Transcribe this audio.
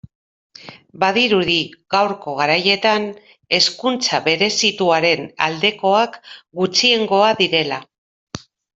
Badirudi gaurko garaietan hezkuntza berezituaren aldekoak gutxiengoa direla.